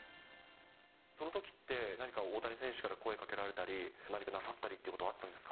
そのときって、何か大谷選手から声かけられたり、何かなさったりっていうことはあったんですか。